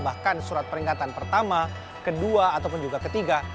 bahkan surat peringatan pertama kedua ataupun juga ketiga